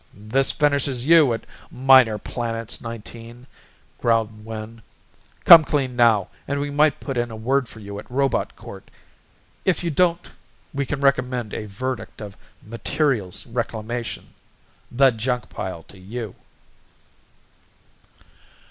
"This finishes you at Minor Planets, Nineteen," growled Wynn. "Come clean now and we might put in a word for you at Robot Court. If you don't we can recommend a verdict of Materials Reclamation the junk pile to you."